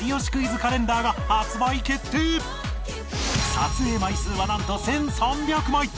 撮影枚数はなんと１３００枚！